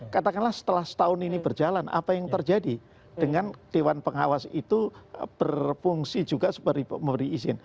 katakanlah setelah setahun ini berjalan apa yang terjadi dengan dewan pengawas itu berfungsi juga sebagai pemberi izin